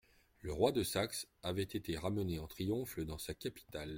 Le roi de Saxe avait été ramené en triomphe dans sa capitale.